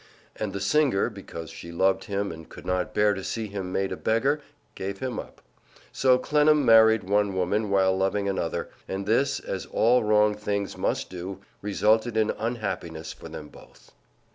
And the singer, because she loved him and could not bear to see him made a beggar, gave him up. So Clennam married one woman while loving another, and this, as all wrong things must do, resulted in unhappiness for them both.